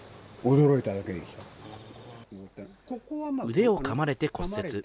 腕をかまれて骨折。